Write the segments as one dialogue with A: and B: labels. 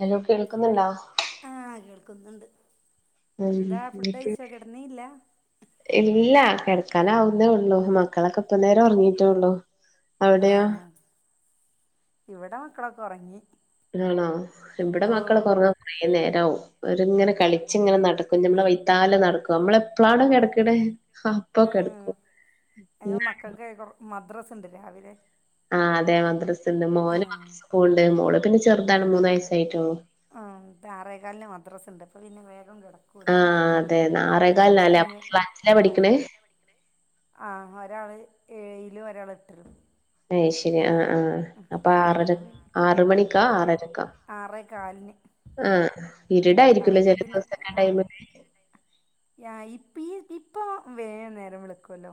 A: Hello കേൾക്കുന്നുണ്ടോ
B: ആഹ കേൾക്കുന്നുണ്ട്
A: ഉം
B: എന്താ ഫുഡ്
A: എന്തൊക്കെ?
B: കഴിച്ചോ കിടന്നീല്ല
A: ഇല്ല കിടക്കാനാവുന്നേ ഉള്ളൂ മക്കളൊക്കെ ഇപ്പ നേരം ഉറങ്ങിട്ടോള്ളു
B: ആഹ ഇവിടെ മക്കളൊക്കെ ഉറങ്ങി
A: ആണോ ഇവിടെ മക്കള്
B: ഓഹ്
A: ഒക്കെ ഉറങ്ങാൻ കുറേ നേരാവും ഒര് ഇങ്ങനെ കളിച്ച് ഇങ്ങനെ നടക്കും ഞമ്മളെ വൈത്താലെ നടക്കും നമ്മള് എപ്പളാണോ കിടക്കണെ
B: ആഹ ഇന്ന് മക്കൾക്ക് മദ്രസ്സ് ഉണ്ട് രാവിലെ
A: ആഹ് അതെ മദ്രസ്ണ്ട് മോന്
B: ആഹ്
A: മദ്രസ്സ് പോണ്ട് മോള് പിന്നെ ചെറുതാണ് മൂന്ന് വയസായിട്ടൊള്ളു
B: ആഹ.. ആറേകാലിന് മദ്രസ്സ്‌യുണ്ട് അപ്പ പിന്നെ വേഗം കിടക്കും! ഓല്
A: ആഹ.. അതെ.. ആറേകാലിന് നല്ലേ അപ്പൊ
B: അങ്ങ്
A: ഏത് ക്ലാച്ചില പഠിക്കണേ?
B: ആഹ.. ഒരാള് ഏഴിലും! ഒരാള് എട്ടിലും!
A: അയ്ശരി.. ആഹ.. ആഹ! അപ്പൊ.. ആറുമണിക്ക്ഹാ.. ആറാരക്കോ?
B: ആറേ കാലിന്
A: ആഹ്. ഇരീടായിരിക്കല
B: ആറേ
A: ചില
B: പതിന്
A: ദിവസക്ക ടൈം.
B: ആയിപ്പ്.. ഇപ്പൊ വേഗം നേരം വിളക്കുവല്ലോ!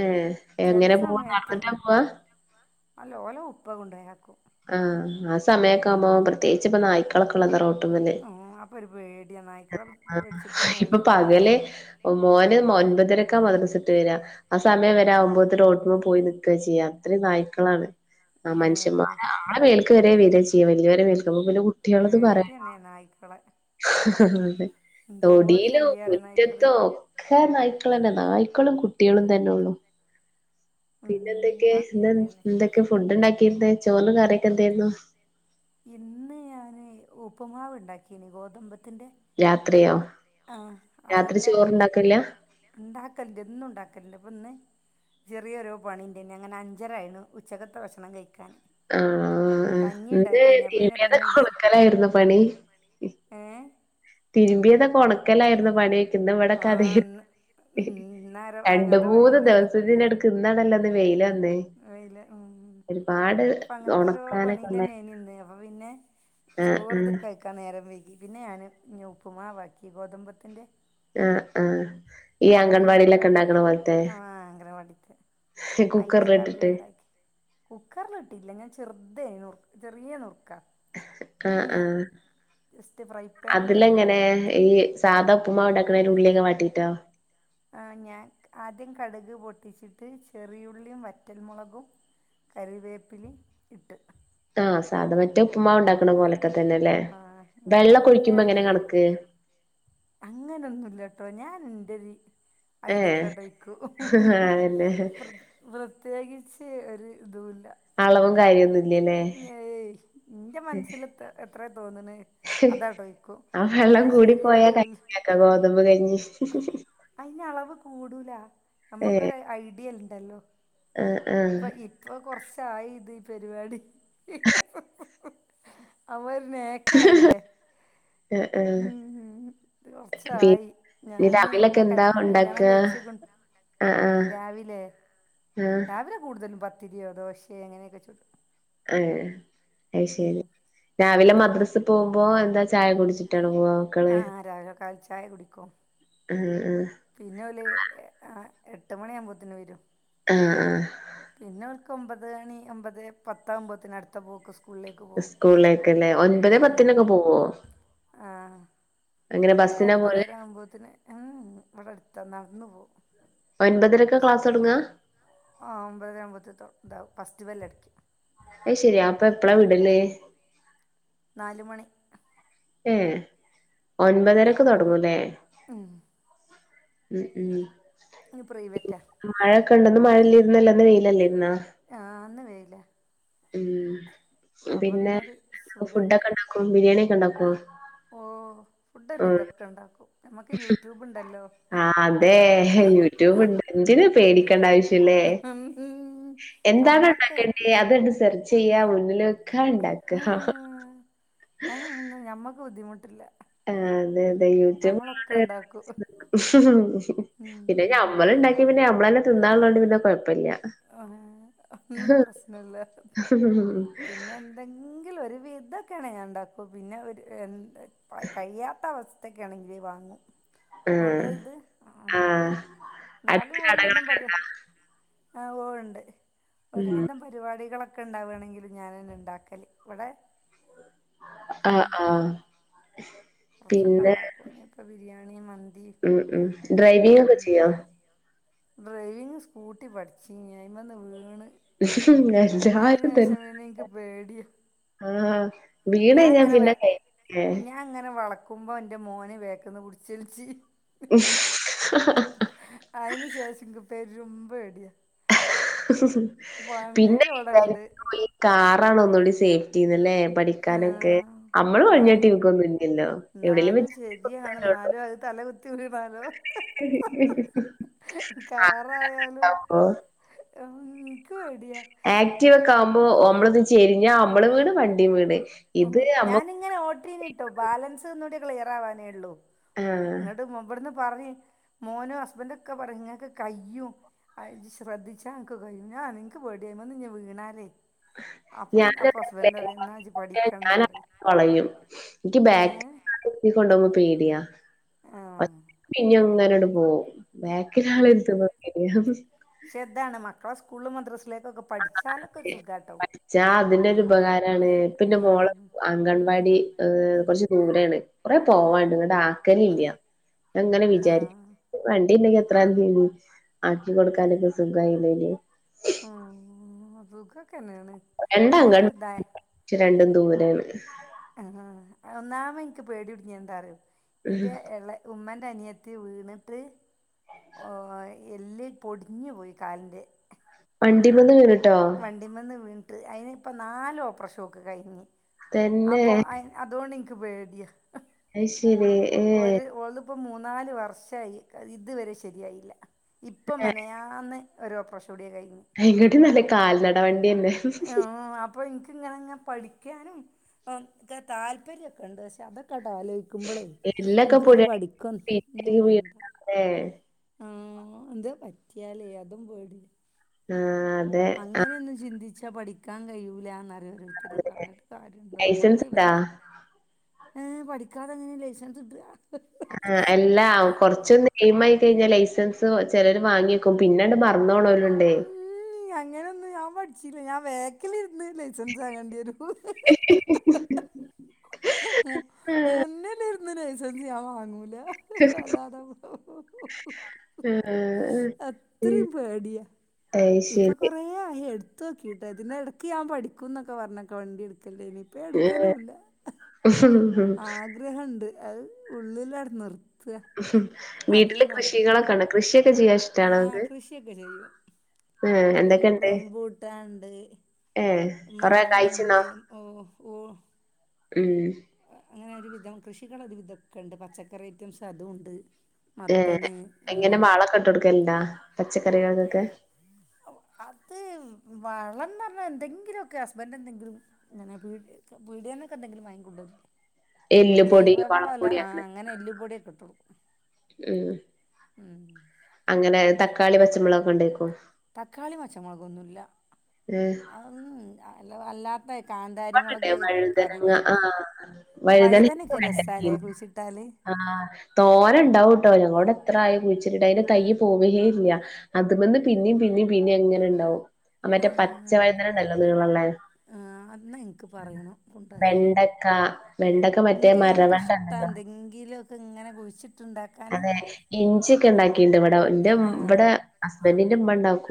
A: ങ്ങ.. എങ്ങനെ പോവാ നടന്നിട്ടാ
B: ഉം
A: പോവാ?
B: അല്ല.. ഓലെ ഉപ്പ കൊണ്ടുപോയി ആക്കും!
A: ആഹ.. ആ.. സമയൊക്കെകുമ്പോ പ്രത്യേകിപ്പ നായ്ക്കളൊക്കെള്ളതാ റ അങ്ങനെ..
B: ഉള്ളതല്ലേ അപ്പൊ ഒരു പേടിയാ നായ്ക്കളെ പേടിച്ചിട്ട്
A: ഇപ്പൊ
B: തന്നെയാണ്
A: പകല്.. മോന് ഒൻപതരക്കാ മദ്റസട്ട് വിട്ടവരിക ആ സമയംവരെ! ! അരകുമ്പോ റൊട്ടി പോയി നക്കുക ചെയ്യുക അത്രയും നായ്ക്കളാണ് ആ മനുഷന്മാ! ! ആഹ.. വെൽക് വരെ [unintelligible] ചെയ്യ വലിയർടെ വരെ മേൽക്ക്പ പിന്നെ കുട്ടികുള്ളത് പറയാണ!
B: പേടിയന്നെ നായ്ക്കളെ
A: ആഹ..
B: എന്തോരു
A: തൊടിയിലോ
B: ശല്യാറിയോ നായ്ക്കള്
A: മുറ്റതോ! ഒക്കെ.. നായ്ക്കളാ.. തന്നെ നായ്ക്കളും കുട്ടികളും തന്നെ ഉള്ളു
B: ഉം
A: പിന്നെ എന്തൊക്കെ?
B: അതൊക്കെ
A: എന്താ
B: ശരിയന്നെ
A: എന്തൊക്കെ ഫുഡ് ഉണ്ടാക്കിയിരുന്ന ചോറിനു കറിയൊക്കെ എന്തായിരുന്നു?
B: ഇന്ന് ഞാൻ ഉപ്പ്മാവ് ഉണ്ടാക്കിയനി ഗോതമ്പത്തി്ന്റെ!
A: രാത്രിയാോ? രാത്രി ചോറ്ണ്ടാക്കില്ല?
B: ഉണ്ടാക്കലണ്ട് എന്നും ഉണ്ടാക്കലണ്ട് അപ്പൊ ഇന്ന്.. ചെറിയൊരു പണിൻ്റെ ഉണ്ടയിനു അങ്ങനെ അഞ്ചരായിന് ഉച്ചകത്തെ ഭക്ഷണം കഴിക്കാൻ!
A: ആഹ.
B: കഞ്ഞി
A: എന്തെ
B: ഉണ്ടാക്കീന് അപ്പം പിന്നെ
A: തിരുമിയത്
B: കഞ്ഞി
A: കൊണക്കലായിരുന്നോ പണി?
B: ഏ
A: തിരുമ്പിയത് ക്കെ ഒണക്ക ലായിരുന്നോ പണി. ഇന്ന് ഇവിടെയൊക്കെ
B: ആഹ്
A: അതായിരുന്നു.
B: ഇന്ന് ഇന്നാരോ
A: രണ്ട്‌
B: അങ്ങനത്തെ
A: മൂന്ന്
B: പണിന്നെനി
A: ദിവസത്തിനിട ക്ക് ഇന്നാണല്ലന്ന് വെയില വന്നേ ക്ക്.
B: അയില് ഉം. അപ്പ അങ്ങനത്തെരോ
A: ഒണക്കാനൊക്കെ ഉണ്ടായി
B: പണിനില്ലേല് ഇന്ന്. അപ്പൊ പിന്നെ.
A: ആഹ്
B: ചോറത്
A: ആഹ്
B: കഴിക്ക ക്കാ നേരം വൈകി. പിന്നെ ഞാൻ ഉപ്പ് മാവാക്കി ഗോതമ്പത്തിന്റെ.
A: ആഹ ആഹ. ഈ അംഗൻവാടിയിലക്കെ
B: അയിലക്കറി
A: ഉണ്ടാക്കണ പോലത്തെ.
B: ആഹ് അംഗനവാടിത്തെ അയില
A: കുക്കറിൽ
B: കറിയും
A: ഇട്ടിട്ട്.
B: കുക്കറിലിട്ടില്ല. ഞാൻ ചെറുതെ നു ചെറിയ നുറുക്ക.
A: ആഹ ആഹ
B: ജസ്റ്റ് ഫ്രൈ പാനില്
A: അതിലെങ്ങനെ ഈ സാധാ ഉപ്പുമാവ് ഉണ്ടാക്കണ പോലെ ഉള്ളി ഒക്കെ വാട്ടിട്ടോ?
B: ആഹ ഞാ ആദ്യം കടുക് പൊട്ടിച്ചിട്ട് ചെറിയുള്ളിയും, വറ്റൽമുളകും, കരിവേപ്പിലയും ഇട്ട്.
A: ആഹ് സാധാ മറ്റേ ഉപ്പ്മാവ്
B: ഉം
A: ഉണ്ടാക്കണ പോലെയൊക്കെ തന്നെയല്ലേ.
B: ആഹ് ഇങ്ങട്ട്
A: വെള്ളം ഒഴിക്കുമ്പോ എങ്ങനെ കണക്ക്?
B: അങ്ങനൊന്നുമില്ലട്ടോ, ഞാൻ എൻ്റെ രീതി
A: ഏഹ്
B: ഐഡിയക്ക് അത് വയ്ക്കും.
A: അതന്നെ
B: പ്ര പ്രത്യേകിച്ച് ഒരു ഇതും ഇല്ല.
A: അളവും കാര്യൊന്നും ഇല്ലല്ലേ
B: ഏയ് എന്റ മനസ്സിൽ എത്ര എത്രയാ തോന്നണെ, അതവിടെ വെക്കും അത് ശരിയായാലും ഇല്ലേലും.
A: കഞ്ഞി ആക്കാം ഗോതമ്പ് കഞ്ഞി.
B: അയിന് അളവ് കൂടൂല.
A: ഏഹ്
B: നമ്മുക്കൊരു ഐഡിയ ഉണ്ടല്ലോ.
A: ആഹ് ആഹ.
B: ഇപ്പൊ കൊറച്ചായി ഈ പരിപാടി. അപ്പൊ ഒരു നേക്ക്. നക്കായിലെ
A: ആഹ് ആഹ്
B: മ് മ്. അത്
A: പി
B: കുറച്ചായി.
A: ഇനി
B: ഞാന്
A: രാവിലൊക്കെ
B: എന്നെ കൽ
A: എന്താ
B: കല്യാണം
A: ഉണ്ടാക്ക
B: കഴിച്ച് [unintelligible] രാവിലെ
A: ആഹ
B: രാവിലെ കൂടുതലും പത്തിര്യോ ദോശ്യോങ്ങനെക്കെ ചുടും.
A: ആഹ് അയ്
B: ഉം
A: ശരി. രാവിലെ മദ്രസ പോവുമ്പോ, എന്താ ചായ കുടിച്ചിട്ടാണോ പൂവാ?
B: ആഹ് രാവിലെ കാൽ ചായ കുടിക്കും.
A: ഉം ഉം.
B: പിന്നെ ഓല് എഹ് ആ എട്ട് മണി ആവുമ്പോത്തിന് വരും.
A: ആഹ് ആഹ്.
B: പിന്നെ ഓൾക്ക് ഒമ്പത് മണി ഒമ്പത് പത്താവുമ്പോത്തിനും അടുത്ത പോക്ക് സ് സ്കൂളിലേക്ക് പോവും.
A: സ്കൂളിലേക്കല്ലേ ഒൻപത് പത്തിനൊക്കെ പോവോ
B: ആ
A: എങ്ങനെ
B: ഓല്ക്ക്
A: ബസ്സിനാ പോവല്
B: ഒമ്പതര ആവുമ്പോത്തിന്. ഉം ഇവിടെ അടുത്താ നടന്നു പോവും.
A: ഒൻപതരക്ക ക്ലാസ് തൊടങ്ങ?
B: ആ ഒമ്പതര ആവുമ്പത്ത് തൊറ ന്താ ഫെസ്റ് ബെല്ലടിക്കും.
A: അയ് ശരി. അപ്പൊ എപ്പളാ വിടല്?
B: നാല് മണി.
A: ഏഹ് ഒൻമ്പതരക്ക് തൊടങ്ങൂല്ലേ.
B: ഉം.
A: ഉം ഉം.
B: ങ്ങ് പ്രൈവറ്റാ?
A: മഴക്കെണ്ടന്നും മഴല്ലേ. ഇന്ന് ഇന്നല്ല ഇന്ന് വെയിലല്ലേ ഇന്ന്?
B: ആ ഇന്ന് വെയില.
A: ഉം. പിന്നെ
B: ഇന്നൊരു
A: എന്തൊക്കെ
B: സുഖണ്ട്
A: ഫുഡൊക്കെ ഇണ്ടാക്കും. ബിരിയാണി ഒക്കെ ഇണ്ടാക്കുവോ?
B: ഓ ഫുഡ് ഒരു വിതൊക്കെ ഇണ്ടാക്കും നമുക്ക് യൂട്യൂബ് ഇണ്ടല്ലോ അതേ
A: ട്യൂബുണ്ട് എന്തിനാ പേടിക്കണ്ട ആവശ്യം റ്റ്ല്ലേ എന്താണോ
B: നമ്മക്ക്
A: ഇണ്ടാക്കണ്ടേ അത്ണ്ട് സെർ ച്ചീയ്യാ മുന്നില്ക്ക ഇണ്ടാക്ക
B: അയിന്നൊന്നും ഞമ്മളക്ക് ബുദ്ധിമുട്ടില്ല
A: ആഅതെ അതെ യൂട്യൂബ്
B: നമ്മളൊക്കെ
A: ഉള്ളോണ്ട്
B: ഇണ്ടാക്കും
A: ഇങ്ങനെ പിടിച്ചു നിക്കും
B: ഉം
A: പിന്നെ ഞമ്മള് ഇണ്ടാ ക്കി പിന്നെ ഞമ്മളന്നെ തിന്നാള്ളോണ്ട് പിന്നെ കൊഴപ്പല്ല്യ
B: ആഹ് ഒന്നും പ്രശ്നില്ല അത്
A: ഉഹുംഹും
B: പിന്നെ എന്തെങ്കിലും ഒരു വിതൊക്കെയാണെ ഞാൻ ഇണ്ടാക്കും പിന്നെ ഒരു എന്താ പ്പ കയിയാത്ത അവസ്ഥത്തക്കെണെങ്കില് വാങ്ങും
A: ആഹ്
B: ഓർഡറീത് ഉം
A: ആഹ്
B: ന്നാലും
A: അടുത്ത്
B: ഒരു വിധം
A: കടകളൊക്കെ
B: പര്
A: ഉണ്ടോ
B: ആ ഓണ്ട് ഒരുവിധം പരിപാടികളൊക്കെ ഇണ്ടാവാണെങ്കിലും ഞാനന്നെ ഇണ്ടാക്കല് വടെ
A: ആഹ് ആഹ്
B: കൊറച്ചൊക്കെ
A: പിന്നെ
B: ഇണ്ടാക്കും ഞാപ്പോ ബിരിയാണി മന്തി
A: ഉം ഉം ഡ്രൈവിംഗ്
B: ഉം
A: ഒക്കെ ചീയ്യോ
B: ഡ്രൈവിങ് സ്കൂട്ടി പഠിച്ചീനി ഐ മന്ന് വീണ്
A: ങേ
B: അയിന് ശേഷം പിന്നെ എനിക്ക് പേടിയാ
A: ആഹ്
B: ഞാൻ
A: വീണഴിഞ്ഞ
B: അങ്ങനെ
A: പിന്നെ
B: വ-
A: കഴി ലേ
B: ഞാൻ ഇങ്ങനെ വളക്കുമ്പോ ഇന്റെ മോന് ബാക്കന്ന് പിടിച്ചലിച്ച്
A: ഉംഹ്
B: അയിന് ശേഷം ഇക്ക് പെരും പേടി
A: പിന്നെ
B: ഇവിടെണ്ട്
A: വിചാരിക്കും ഈ കാറാണ് ഒന്നൂടി സേഫ്റ്റിന്നല്ലേ പഠിക്കാനൊക്കെ
B: ഏഹ്
A: അമ്മള് [unintelligible]
B: ന്നാലും
A: ഇക്കൊന്നും ഇല്ലല്ലോ എവിടെലും
B: ന്നാലും
A: വച്ച് [inaudible]
B: ശരിയാണ്
A: അല്ലേ ഉള്ളു
B: ന്നാലും അത് [unintelligible] കാറായാലും
A: അതാവുമ്പോ
B: എം ക്ക് പേടിയാ
A: ആക്ടീവ് ഒക്കെ ആകുമ്പോൾ ഒമ്മള് ചെരിഞ്ഞാ അമ്മള് വീണ് വണ്ടീം വീണ്
B: ഒം
A: ഇത് നമ്മ
B: ഞാനിങ്ങനെ ഓട്ടിനിട്ടോ ബാലൻസ് ഒന്നൂടി ക്ലിയർ ആവാനേ ഒള്ളു
A: ആഹ്
B: ഇങ്ങട്ട് മബടന്ന് പറിം മോനും ഹസ്ബന്റും ഒക്കെ പറിംങ്ങക്ക് കയ്യും ഇജ്ജ് അയ്ശ്രദ്ധിച്ചാനക്ക് കഴിയും ഞാൻ നക്ക് പേടിയ്മന്ന് വീണാല് അപ്പൊം അപ്പൊ ഹസ്ബന്റ്റിംന്നാ പഠി
A: ഞൻ വിടെ പളയും എനിക്ക്
B: ഏഹ്
A: ബാക്ക്ലാളെ ഇരിത്തി കൊണ്ടോകുമ്പോ പേടിയാ
B: ആഹ്
A: പിന്നിം ങ്ങനട് പോകും ബാക്കിലാളര്ത്തുംമ്പൊ പേടിയാ
B: ച്ചെ താണ് മക്കളെ സ്കൂളിലുംമ ദ്രസ്സിലേക്കൊക്കെ പു
A: ആഹ് അതേ പഠിച്ച അതിനൊരു ഉപകാരാണ് പ്പൊന്റെ
B: ഉം
A: മോള പുവ അംഗൻവാടി ഏ കുറച്ച് ദൂരാണ് കുറെ പോവാണ്ട് എന്നിട്ട്ആക്കല് ഇല്ല എങ്ങനെ വിചാരിക്കും
B: ആഹ്
A: വണ്ടിണ്ടങ്കിഎത്ര ന്നനിനീ ആക്കി കൊടുക്കാനൊക്കെ സുഖയില്ലേല്
B: ആഹ് സുഖൊക്കെന്നേണ്
A: രണ്ട് അംഗൻ ഇച് രണ്ടും ദൂരെണ്
B: ആഹ് ഒന്നാമത്എനിക്ക് പേടികുട് ങ്ങേത്എന്താറിയോ എന്റെ എളേ ഉമ്മൻ്റെ അനിയത്തി വീണിട്ട് ഓ ആ എല്ല് പൊടിഞ്ഞ് പോയി കാലിന്റെ
A: വണ്ടിമന്ന്‌ വീണ് ട്ടോ
B: വണ്ടിമന്ന് വീണണ്ട് അയ്നി ഇപ്പൊ നാല് ഓപ്പറേഷം ഒക്ക് കഴിഞ്ഞ്
A: തന്നെ
B: അപ്പോയ്ന് അ അത് കൊണ്ട് എനിക്ക് പേടിയ ആഹ്
A: അത് ശരി
B: ഒരു ഓളിപ്പോ മൂന്നാല് വർഷായി ഇതുവരെ ശരിയായില്ല ഇപ്പം മെനയാന്ന് ഒരു ഓപ്പറേഷൻ കൂടി കഴിഞ്ഞു
A: അയിനി കാട്ടി നല്ലത് കാൽനട വണ്ടിയന്നെ
B: ഇപ്പോ എനിക്കങ്ങനെയങ്ങ് പഠിക്കാനും ഒക്കെ താല്പര്യവൊക്കെ ഉണ്ട് പക്ഷെ അതൊക്കൊ [unintelligible] ആലോചി ക്കുമ്പളേ
A: എല്ലൊക്കെ
B: എനക്ക്
A: പൊടിയായി
B: പഠിക്കവൊന്നും
A: പിച്ചി
B: വേണ്ട
A: വീണിട്ടാ ല്ലേ
B: ആഹ് എന്തേ പറ്റിയാല് അതും പേടിയാ
A: ആഹ് അതെ ആഹ്
B: അങ്ങനെയൊന്നും ചിന്തിച്ചാ പഠിക്കാൻ കഴിയൂലാന്നാ ഓരോരു ത്തര്
A: അതെ
B: പറഞ്ഞിട്ട് കാര്യമുണ്ടോ
A: ലൈസൻസ്
B: ഞമ്മക്ക്
A: ഇണ്ടാ
B: [unintelligible] ഏ പഠിക്കാതെങ്ങനെയാ ലൈസൻസ് കിട്ടുക
A: ആ അല്ലാ കൊറച്ചൊന്ന് നെയ്മായി ട്ട് കഴിഞ്ഞാൽ ലൈസൻസ് ചെലര് വാങ്ങി വക്കും പിന്നങ്ങട്ട് മറന്ന് പോണോരുണ്ട്
B: ക്ക് അങ്ങനൊന്നും ഞാൻ പഠിച്ചില്ല ഞാൻ ബാക്കിലിരുന്ന് ലൈ സൻസ് വാങ്ങേണ്ടി വരും
A: ആഹ്
B: മുന്നിലിരുന്ന് ലൈസൻസ് ഞാൻ വാങ്ങൂല അല്ലാതെ
A: ആഹ് ഉം
B: അത്രയും പേടിയാ ഇപ്പൊ
A: അയ്ശരി
B: കൊറേ ആയിഎടുത്ത് നോക്കിയിട്ട് അതിന് ഇടക്ക് ഞാൻ പഠിക്കൂന്നൊക്കെ പറഞ്ഞൊക്കെ വണ്ടി എടുക്കല്ലേനി
A: ഏ
B: ആഗ്രഹവുണ്ട് അത് ഉള്ളിലാരുന്നു
A: ഉം വീട്ടില് കൃഷികളൊക്കെയുണ്ടോ കൃഷിയൊക്കെ ചെയ്യാൻ
B: ആ
A: ഇഷ്ടാണോ ഇങ്ങക്ക്
B: കൃഷിയൊക്കെ ചെയ്യും
A: ഏഹ്
B: റം
A: എന്തൊക്കെണ്ട്
B: റംബൂട്ടാനൊണ്ട്
A: ഏഹ് കൊറേ കായ്ച്ച്ണോ
B: മാങ്ങണ്ട് ഓ ഓ
A: ഉം
B: അങ്ങനെ ഒരു വിധം കൃഷികളൊരു വിധമൊക്കൊണ്ട് പച്ചക്കറി ഐറ്റംസ് അതും ഉണ്ട്
A: ഏ എങ്ങനെ വളവൊക്കെ ഇട്ട് കൊടുക്കലുണ്ടാ പച്ചക്കറികൾക്കൊക്കെ
B: ഉ അ അത് വളം എന്ന് പറഞ്ഞാ എന്തെങ്കിലുമൊക്കെ ഹസ്ബൻഡ് എന്തെങ്കിലും ഇങ്ങനെ പീ പീടികേന്നൊക്കെ എന്തെങ്കിലും വാങ്ങി കൊണ്ടുവരും.
A: എല്ലുപൊടി
B: ജൈവവളമല്ല
A: വളപ്പൊടി
B: ആ അങ്ങനെ എല്ലുപൊടിയൊക്കെ ഇട്ടു കൊടുക്കും.
A: ഉം
B: ഉം
A: അങ്ങനെ തക്കാളി പച്ചമുളകൊക്കെ ഉണ്ടേക്കും.
B: തക്കാളിയും പച്ചമുളകൊന്നും ഇല്ല
A: ഏഹ്
B: അതൊന്നും അല്ലാ ത്തെ
A: ഇവിടെണ്ട്
B: കാന്താരിമുളക്
A: വഴുതനങ്ങ
B: കറിവേപ്പ്
A: ആഹ് വഴുതനങ്ങ
B: വഴുതനയൊക്കെ രസാല്ലേ
A: വെണ്ടക്കയും
B: കുഴിച്ചിട്ടാല്
A: ആഹ് തോരേ ഉണ്ടാവൂട്ടോ ഞങ്ങളിവിടെ എത്ര ആയി കുഴിച്ചിട്ടിട്ട് അതിന്റെ തൈ പോവുകയേ ഇല്ല. അതുമേന്ന് പിന്നേയും പിന്നേയും പിന്നേയും ഇങ്ങനെ ഉണ്ടാവും മറ്റേ പച്ച
B: ആഹ്
A: വഴുതന ഉണ്ടല്ലോ നീളമുള്ളെ
B: ആഹ് അന്നേ ക്ക് പറയണം കൊണ്ടുവരാന്
A: വെണ്ടക്ക വെണ്ടക്ക മറ്റേ
B: എനിക്ക്‌ എനിക്ക്
A: മരവെണ്ട
B: ഇഷ്ടാ
A: ഉണ്ടല്ലോ
B: എന്തെങ്കിലുമൊ ക്കെ ഇങ്ങനെ കുഴിച്ചിട്ടുണ്ടാ
A: അതെ ഇഞ്ചിയൊക്കെ ഉണ്ടാക്കിട്ടുണ്ട് ഇവിടെ എന്റെ
B: ആഹ്
A: ഇവിടെ ഹസ്ബൻഡിന്റെ ഉമ്മ ഉണ്ടാക്കും.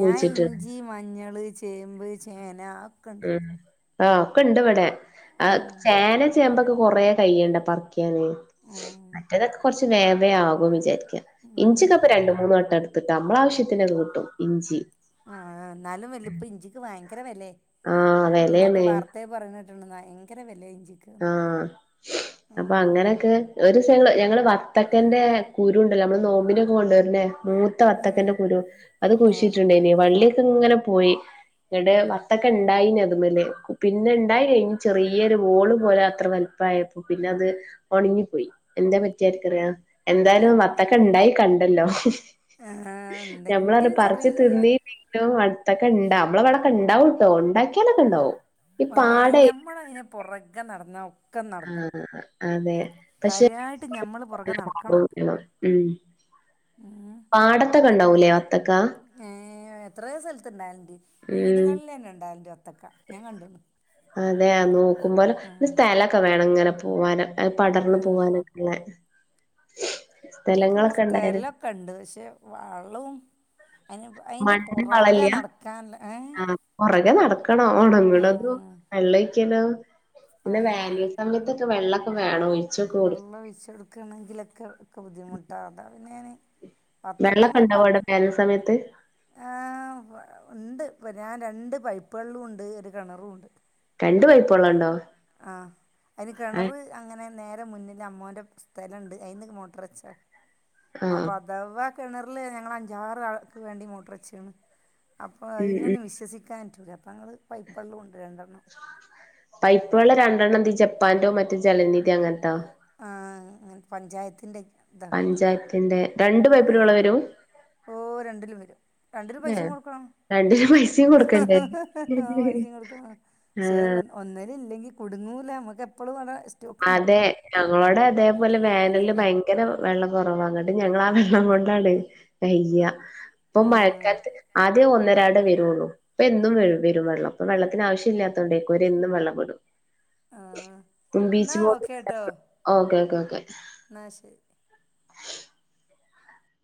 B: ഞാൻ ഇഞ്ചി മഞ്ഞള് ചേമ്പ് ചേന അതൊക്കെണ്ട്
A: ഉം ആ ഒക്കെ ഇണ്ട് ഇവിടെ ആ
B: ആഹ്
A: ചേന ചേമ്പൊക്കെ കൊറേ കയിയണ്ടേ പറി ക്കാന്
B: ആഹ്
A: മറ്റേതൊക്കെ കുറച്ച് വേവയാകുമെന്ന് വിചാരിക്കുക
B: ഉം
A: ഇഞ്ചിയൊക്കെ ഇപ്പം രണ്ടു മൂന്ന് വട്ടം എടു ത്തൂട്ടോ നമ്മടെ ആവശ്യത്തിനൊക്കെ കിട്ടും ഇഞ്ചി.
B: ആ എന്നാലും വല്ല ഇപ്പോ ഇഞ്ചിക്ക് ഭയങ്കര വിലയായി
A: ആഹ്
B: ഇന്നൊക്കെ
A: വെലേണ്
B: വാർ ത്തേ പറയണ കേട്ടിട്ടുണ്ട് ഭയങ്കര വിലയാ ഇഞ്ചിക്ക്
A: ആഹ് അപ്പം
B: ആഹ്
A: അങ്ങനൊക്കെ ഒരു ദിവസം ഞങ്ങള് ഞങ്ങള് വത്തക്കാന്റെ കുരു ഉണ്ടല്ലോ നമ്മള് നോമ്പിനൊക്കെ കൊണ്ടുവരുന്നേ മൂ ത്ത വത്തക്കാന്റെ കുരു അത്
B: ആഹ്
A: കുഴിച്ചിട്ടുണ്ടായിനി വള്ളിയൊക്കെ ഇങ്ങനെ പോയി ഇവിടെ
B: ഉം
A: വ ണ്ടായിനി അത്മൽ പിന്നെ ഇണ്ടായി കഴിഞ്ഞ് ചെറിയ ഒരു വോളും പോലെ അത്ര വെൽപ്പ ആയപ്പോ പിന്നെ അത് ഒണിങ്ങിപ്പോയി. എന്താ പറ്റിയത് ആർക്കറിയാ. എന്തായാലും വത്തക്ക ണ്ടായി കണ്ടല്ലോ.
B: ആഹ് എന്തെങ്കിലും ചെറീയേ
A: അടുത്തൊക്കെ ണ്ടാ നമ്മളെ വിടൊക്കെ ണ്ടാവുട്ടോ ണ്ടാക്കിയാലൊക്കെ ണ്ടാവും ഈ പാടേ
B: പൊറകെ നടന്നാൽ ഒക്കെ നടക്കും.
A: ആഹ് അതെ പക്ഷെ
B: കാര്യായിട്ട് ഞമ്മള് പുറകെ
A: [unintelligible] ഉം
B: ആഹ്
A: പാടത്തൊക്കെ ഇണ്ടാവുല്ലേ വത്തക്ക?
B: ഏഹ് എത്രേ സ്ഥലത്ത് ഇണ്ടായാല്ണ്ട്.
A: ഉം
B: വീടുകളിൽ തന്നെ ഇണ്ടാവല്ണ്ട് വത്തക്ക ഞാൻ കണ്ട്ണ്.
A: അതെ നോക്കുമ്പോലേ സ്ഥലക്കെ വേണം ഇങ്ങനെ പോവാന് അത് പടർന്ന് പോവാനക്ക്ണേ
B: ഇൻക്ക് വടെ സ്ഥലം കണ്ട് പക്ഷേ വളും അയി അയിൻ്റെ
A: മണ്ണിന്
B: പൊറകെ നടക്കാൻ ഏഹ്
A: പൊറകെ നടക്ക [unintelligible]
B: ആഹ്
A: വെള്ള ഒഴിക്കലോ പിന്നെ വേനൽ
B: ആഹ്
A: സമയത്തൊക്കെ വെള്ള വേണോയ്
B: വെള്ളം ഒഴിച്ച് കെടുക്കണെങ്കിലൊക്കെ ഒക്കെ ബുദ്ധിമുട്ടാ അതാ പിന്നെ ഞാന്
A: വെള്ളക്കെ
B: വത്തക്കമ്മ
A: ഇണ്ടാവോ അവടെ
B: വത്ത്
A: വേനൽ സമയത്ത്?
B: ആഹ് ഇണ്ട് ന്നെ ആഹ് രണ്ട് പൈപ്പള്ളും ണ്ട് ഒരു കെണറുണ്ട്.
A: രണ്ട് പൈപ്പള്ളണ്ടോ?
B: ആഹ് അയിന് കെണറ് അങ്ങനെ നേരെ മുന്നില് അമ്മോന്റെ സ്ഥലണ്ട് അയിന്ന് മോട്ടറച്ചാ അപ്പൊ അ ദവ കെണർലേ ഞങ്ങൾ അഞ്ചാറ് ആൾക്ക് വേണ്ടി മോട്ടർ വെച്ചിണ്. അപ്പോൾ
A: ഉം ഉം
B: അയിനൊന്ന് വിശ്വസിക്കാൻ പറ്റൂല അപ്പ ഞങ്ങള് പെപ്പള്ളും ണ്ട് രണ്ടെണ്ണം.
A: പൈപ്പള്ളം രണ്ടെണ്ണം ന്ത് ജപ്പാൻ്റോ മറ്റ് ജലനിധി അങ്ങനത്തോ?
B: ആഹ് ത് പഞ്ചായത്തിന്റെ ത മ്
A: പിന്നെ രണ്ടു പൈപ്പിലും വെള്ളം വരും?
B: ഓഹ് രണ്ടിലും വരും രണ്ടിലും പൈസിം കൊടുക്കണം.
A: രണ്ടിലും പൈസിം കൊടുക്കണ്ടേ? ആഹ്
B: ഒന്നര ഇല്ലെങ്കിൽ കുടുങ്ങൂല നമക്ക് എപ്പളും വള സ്
A: അതെ ഞങ്ങളോടെ അതേപോലെ വേനലില് ഭയങ്കര വെള്ളം കൊറവാ ങ്ങട്ട് ഞങ്ങള് ആഹ് വെള്ളം കൊണ്ടാണ്. വയ്യ ഇപ്പൊ
B: ആ
A: മഴക്കാലത്ത് ആദ്യം ഒന്നരാടം വരുള്ളൂ. ഇപ്പം എന്നും വെ വരും വള്ളം ഇപ്പോ വെള്ളത്തിന് ആവശ്യല്ലാത്ത കൊണ്ടേക്കും ഒര് എന്നും വള്ളം വിടും.
B: ആഹ്
A: beach boat okay okay okay.
B: ന്നാ ശരി